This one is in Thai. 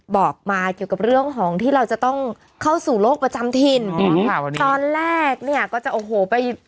บอกมาเกี่ยวกับเรื่องของที่เราจะต้องเข้าสู่โลกประจำถิ่นอ๋อค่ะวันนี้ตอนแรกเนี่ยก็จะโอ้โหไป